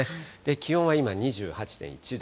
気温は今２８．１度。